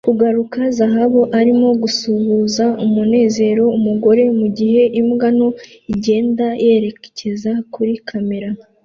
Kugarura zahabu arimo gusuhuza umunezero umugore mugihe imbwa nto igenda yerekeza kuri kamera